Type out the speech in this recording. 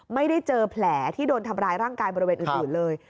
ไม่ได้เจอแผลที่โดนทำร้ายร่างกายบริเวณอื่นเลย